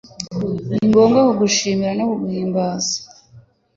Ningombwa kugushimira no guhimbaza